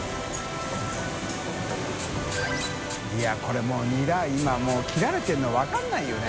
いこれもうニラ今切られてるの分からないよね。